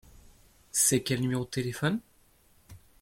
C’est quel numéro de téléphone ?